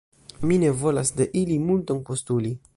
Mi ne volas de ili multon postuli.